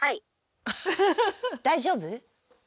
大丈夫？